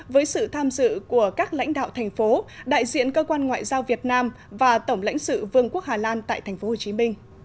với sự tham dự của các lãnh đạo thành phố đại diện cơ quan ngoại giao việt nam và tổng lãnh sự vương quốc hà lan tại tp hcm